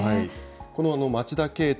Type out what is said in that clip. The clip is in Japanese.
この町田啓太